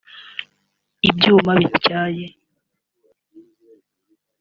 ibyuma bityaye